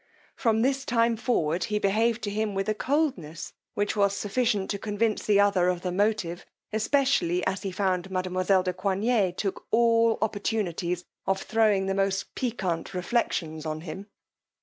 From this time forward he behaved to him with a coldness which was sufficient to convince the other of the motive, especially as he found mademoiselle de Coigney took all opportunities of throwing the most picquant reflections on him.